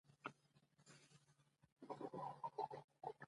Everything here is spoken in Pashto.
انسان باید د خپل زړه غږ تعقیب کړي.